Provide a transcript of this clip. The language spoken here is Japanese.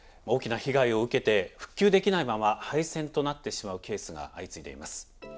大きな被害を受けて復旧できないまま廃線となってしまうケースが相次いでいます。